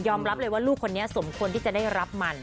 รับเลยว่าลูกคนนี้สมควรที่จะได้รับมัน